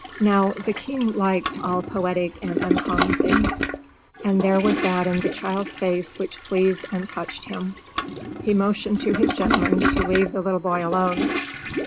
Now, the king liked all poetic and uncommon things, and there was that in the child's face which pleased and touched him. He motioned to his gentlemen to leave the little boy alone.